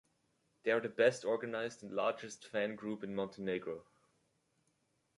They are the best organised and largest fan group in Montenegro.